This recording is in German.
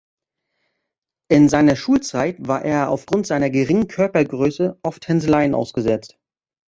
In seiner Schulzeit war er aufgrund seiner geringen Körpergröße oft Hänseleien ausgesetzt.